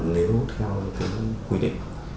nếu theo quy định